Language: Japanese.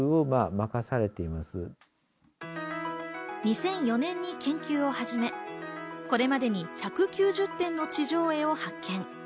２００４年に研究を始め、これまでに１９０点の地上絵を発見。